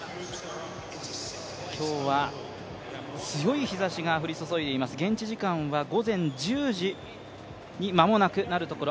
今日は強い日ざしが降り注いでいます、現地時間は午前１０時に間もなくなるところ。